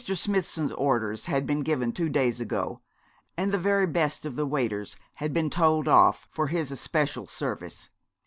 Smithson's orders had been given two days ago, and the very best of the waiters had been told off for his especial service.